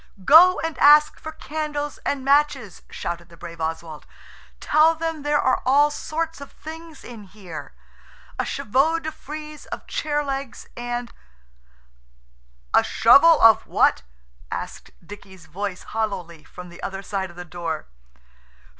"Go and ask for candles and matches," shouted the brave Oswald. "Tell them there are all sorts of things in here–a chevaux de frize of chair legs, and–" "A shovel of what?" asked Dicky's voice hollowly from the other side of the door.